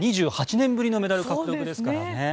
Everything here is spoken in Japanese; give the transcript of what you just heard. ２８年ぶりのメダル獲得ですからね。